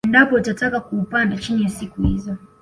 Endapo utataka kuupanda chini ya siku hizo